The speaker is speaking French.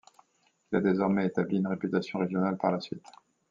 Il a désormais établi une réputation régionale par la suite.